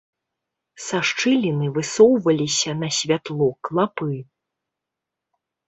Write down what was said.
Са шчыліны высоўваліся на святло клапы.